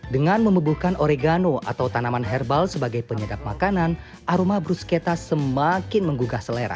dengan memebuhkan oregano atau tanaman herbal sebagai penyedap makanan aroma bruschetta semakin menggugah selera